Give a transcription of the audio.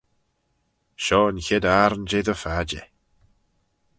Shoh yn chied ayrn jeh dty phadjer.